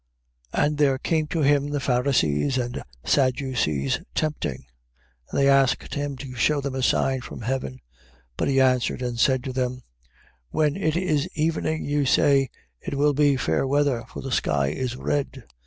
16:1. And there came to him the Pharisees and Sadducees tempting: and they asked him to shew them a sign from heaven. 16:2. But he answered and said to them: When it is evening, you say, It will be fair weather, for the sky is red.